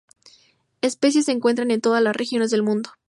Especies se encuentran en todas las regiones del mundo.